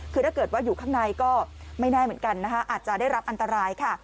คือถ้าเกิดว่าอยู่ข้างในก็ไม่แน่เหมือนกันนะคะอาจจะได้รับอันตรายค่ะ